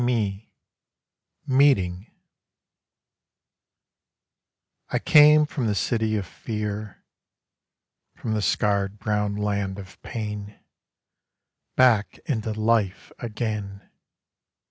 MEETING I came from the City of Fear, From the scarred brown land of pain, Back into life again